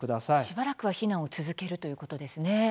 しばらくは避難を続けるということですね。